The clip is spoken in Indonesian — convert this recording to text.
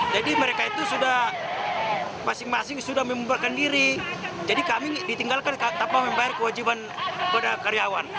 jadi mereka itu sudah masing masing sudah membuarkan diri jadi kami ditinggalkan tanpa membayar kewajiban kepada karyawan